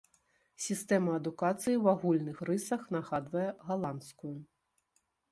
Сістэма адукацыі ў агульных рысах нагадвае галандскую.